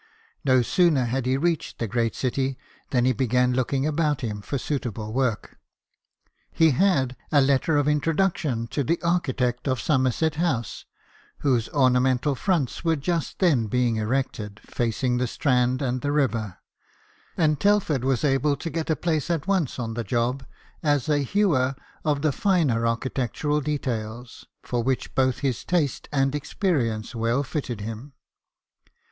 No sooner had he reached the great city than he began looking about him THOMAS TELFORD, STONEMASON. 15 for suitable work. He had a letter of introduc tion to the architect of Somerset House, whose ornamental fronts were just then being erected, facing the Strand and the river ; and Telford was able to get a place at once on the job as a hewer of the finer architectural details, for which both his taste and experience well fitted him.